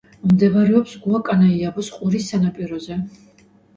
მდებარეობს გუაკანაიაბოს ყურის სანაპიროზე.